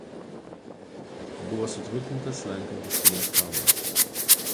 Buvo sutvirtintas slenkantis Pilies kalnas.